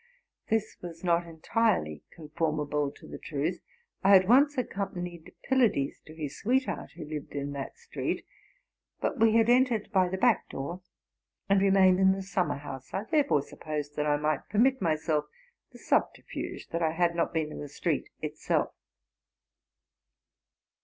This was not entirely conformable to the truth. I had once accompanied Pylades to his sweetheart, who lived in that street; but we had entered by the back door, and remained in the summer house. I therefore supposed that I might permit myself the subterfuge that I had not been in the street itself.